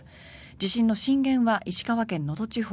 地震の震源は石川県・能登地方。